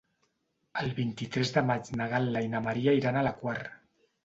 El vint-i-tres de maig na Gal·la i na Maria iran a la Quar.